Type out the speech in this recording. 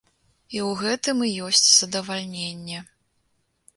І ў гэтым і ёсць задавальненне.